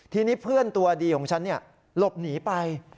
ทีนี้เพื่อนตัวดีของฉันหลบหนีไป